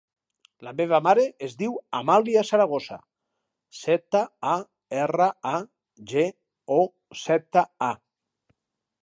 La meva mare es diu Amàlia Zaragoza: zeta, a, erra, a, ge, o, zeta, a.